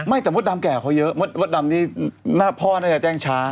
แต่มดดำแก่เขาเยอะมดดำนี่หน้าพ่อน่าจะแจ้งช้า